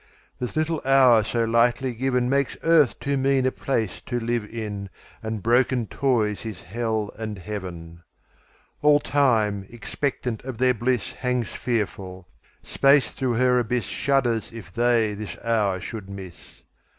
This little hour so lightly givenMakes earth too mean a place to live in, And broken toys His Hell and Heaven.All Time, expectant of their bliss, Hangs fearful. Space through her abyssShudders if they this hour should miss.